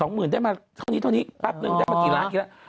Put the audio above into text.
หมื่นได้มาเท่านี้เท่านี้แป๊บนึงได้มากี่ล้านกี่ล้าน